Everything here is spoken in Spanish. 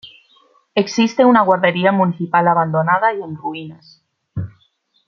Existe una guardería municipal abandonada y en ruinas.